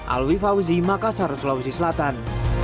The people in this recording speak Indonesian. alwi fauzi makassar sulawesi selatan